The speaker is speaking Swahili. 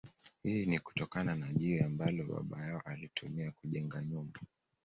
Hii ni kutokana na jiwe ambalo baba yao alitumia kujenga nyumba